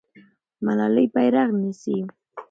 ملالۍ بیرغ نیسي.